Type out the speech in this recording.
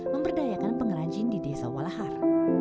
memberdayakan pengrajin di desa walahar